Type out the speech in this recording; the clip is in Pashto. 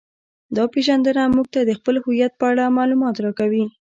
دا پیژندنه موږ ته د خپل هویت په اړه معلومات راکوي